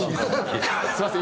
すみません。